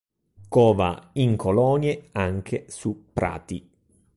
Cova in colonie, anche su prati.